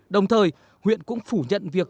đồng thời huyện cũng phủ nhận việc